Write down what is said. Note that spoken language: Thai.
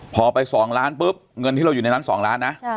พอไปสองล้านปุ๊บเงินที่เราอยู่ในร้านสองล้านนะ